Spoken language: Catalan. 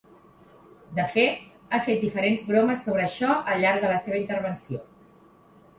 De fet, ha fet diferents bromes sobre això al llarg de la seva intervenció.